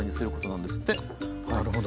なるほど。